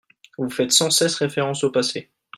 Vous faites sans cesse référence au passé.